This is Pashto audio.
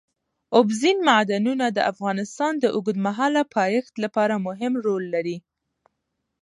اوبزین معدنونه د افغانستان د اوږدمهاله پایښت لپاره مهم رول لري.